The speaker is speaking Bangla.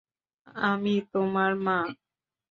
আমি তোমার মা।